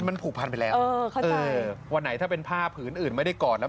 มันผูกพันไปแล้วเออวันไหนถ้าเป็นผ้าผืนอื่นไม่ได้กอดแล้ว